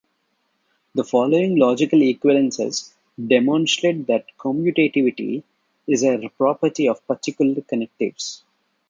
The following logical equivalences demonstrate that commutativity is a property of particular connectives.